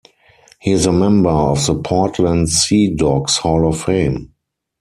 He is a member of the Portland Sea Dogs Hall of Fame.